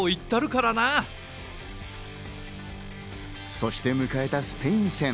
そして迎えたスペイン戦。